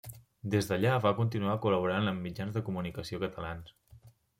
Des d'allà va continuar col·laborant amb mitjans de comunicació catalans.